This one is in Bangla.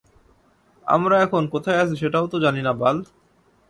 আমরা এখন কোথায় আছি সেটাও তো জানি না বাল!